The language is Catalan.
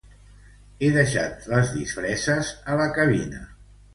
He deixat les disfresses a la cabina.